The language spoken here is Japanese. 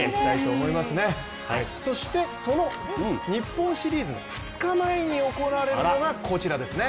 そしてその日本シリーズの２日前に行われるのが、こちらですね。